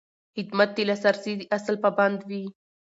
خدمت د لاسرسي د اصل پابند وي.